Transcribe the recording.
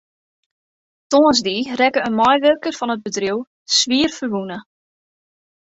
Tongersdei rekke in meiwurker fan it bedriuw swierferwûne.